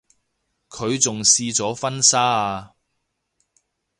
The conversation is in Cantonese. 佢仲試咗婚紗啊